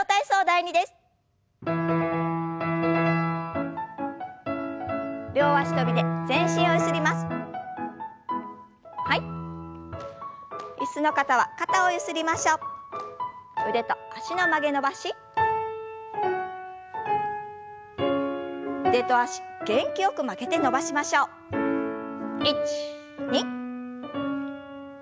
１２。